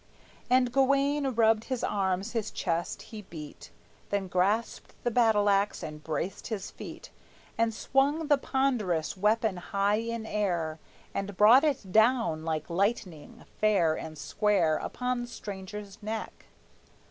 And Gawayne rubbed his arms, his chest he beat, Then grasped the battle axe and braced his feet, And swung the ponderous weapon high in air, And brought it down like lightning, fair and square Upon the stranger's neck.